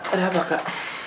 ada apa kak